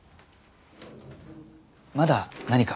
まだ何か？